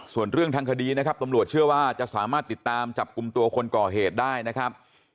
ส่วนเรื่องทางคดีนะครับตำรวจเชื่อว่าจะสามารถติดตามจับกลุ่มตัวคนก่อเหตุได้นะครับ